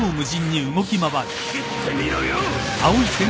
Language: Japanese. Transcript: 斬ってみろよ！